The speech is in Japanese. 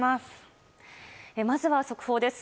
まずは速報です。